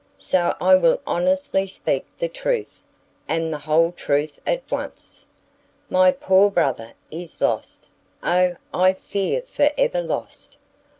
So I will honestly speak the truth, and the whole truth at once; my poor brother is lost O I fear for ever lost!